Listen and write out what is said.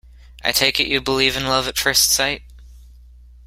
I take it you believe in love at first sight?